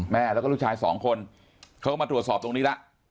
แม่และลูกชาย๒คนเขาก็มาตรวจสอบตรงนี้ล่ะ